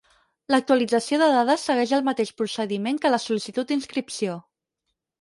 L'actualització de dades segueix el mateix procediment que la sol·licitud d'inscripció.